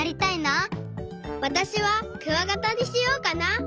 わたしはクワガタにしようかな！